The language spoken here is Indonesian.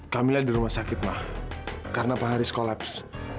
kamilah di rumah sakit mah karena pak haris kolaps